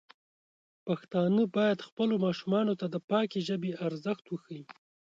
پښتانه بايد خپلو ماشومانو ته د پاکې ژبې ارزښت وښيي.